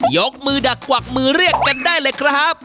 ยกมือดักกวักมือเรียกกันได้เลยครับ